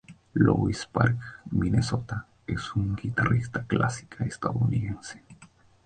Louis Park, Minnesota, es una guitarrista clásica estadounidense.